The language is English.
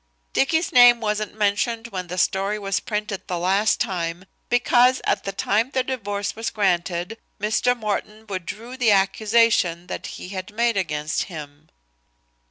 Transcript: "Dicky's name wasn't mentioned when the story was printed the last time, because at the time the divorce was granted, Mr. Morten withdrew the accusation that he had made against him."